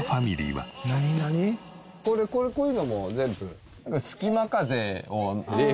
これこういうのも全部。